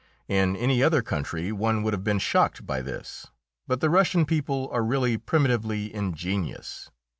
In any other country one would have been shocked by this, but the Russian people are really primitively ingenuous.